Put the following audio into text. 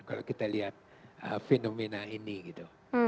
kalau kita lihat fenomena ini gitu